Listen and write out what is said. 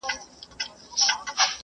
استاد د څيړني دقت زیاتوي.